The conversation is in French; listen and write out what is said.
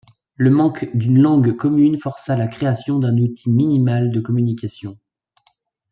Le manque d'une langue commune força la création d'un outil minimal de communication.